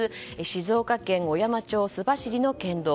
静岡県小山町須走の県道。